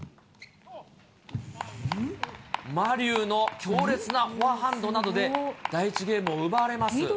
馬龍の強烈なフォアハンドなどで、第１ゲームを奪われます。